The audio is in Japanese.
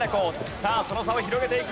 さあその差を広げていく。